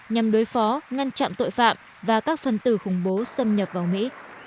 nhằm đối phó ngăn chặn tội phạm và các phần tử khủng bố xâm nhập vào mỹ